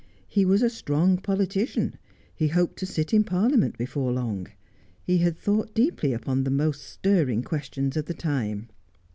He was a string politician. He hoped to sit in Parliament before long. He had thought deeply up:>n the most stirring questions of the time.